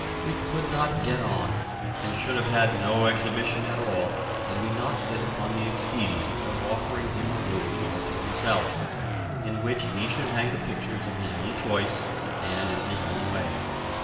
We could not get on, and should have had no exhibition at all had we not hit upon the expedient of offering him a room all to himself, in which he should hang the pictures of his own choice and in his own way.